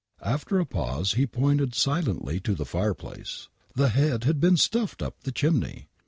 After a pause he pointed silently to the fire place ! The head had been stuffed up the chimney